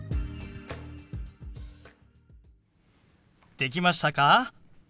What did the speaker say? できましたか？